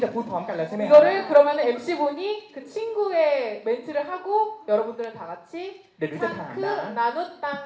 พร้อมที่จะพูดพร้อมกันแล้วใช่ไหมครับ